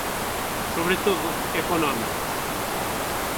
Sobre todo económicos.